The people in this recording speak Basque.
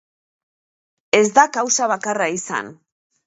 Ez da kausa bakarra izan.